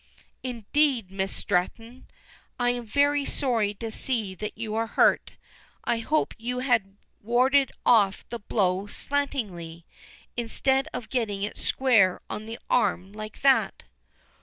"Indeed, Miss Stretton, I am very sorry to see that you are hurt. I hoped you had warded off the blow slantingly, instead of getting it square on the arm like that."